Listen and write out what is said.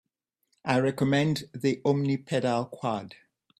I recommend the Omni pedal Quad.